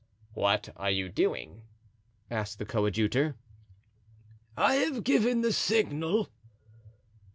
"What are you doing?" asked the coadjutor. "I have given the signal."